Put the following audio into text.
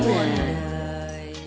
rồi buồn rồi